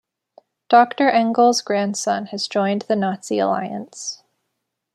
Doctor Engel's grandson has joined the Nazi Alliance.